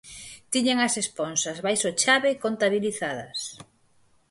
Tiñan as esponxas baixo chave e contabilizadas.